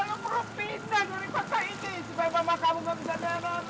kita dari kota ini supaya mama kamu gak bisa menang